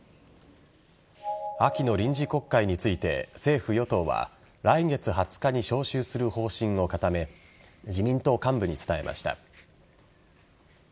秋の臨時国会について政府・与党は来月２０日に召集する方針を固め自民党幹部に伝えました。